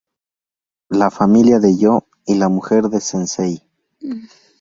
La familia de "Yo" y la mujer de "Sensei".